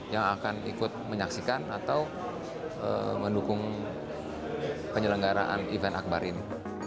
dan ikut menyaksikan atau mendukung penyelenggaraan event akbar ini